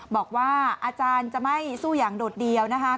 บอกว่าอาจารย์จะไม่สู้อย่างโดดเดียวนะคะ